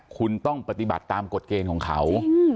คุณต้องปฏิบัติตามกฎเกณฑ์ของเขา